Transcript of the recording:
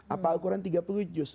apa al qur'an tiga puluh juz